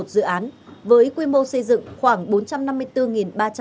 bốn trăm linh một dự án với quy mô xây dựng khoảng